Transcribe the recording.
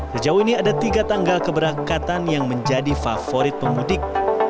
sejauh ini ada tiga tanggal keberangkatan yang menjadi favorit pemudik